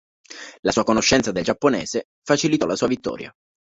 La sua conoscenza del giapponese facilitò la sua vittoria.